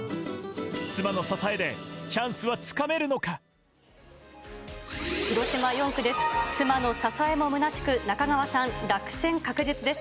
妻の支えで、チャンスはつかめる広島４区です。